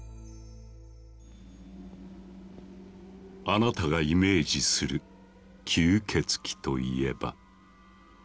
あなたがイメージする吸血鬼といえば。